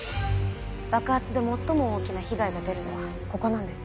爆発で最も大きな被害が出るのはここなんです。